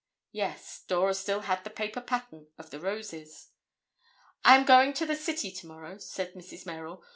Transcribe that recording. Yes, Dora still had the paper pattern of the roses. "I am going to the city to morrow," said Mrs. Merrill.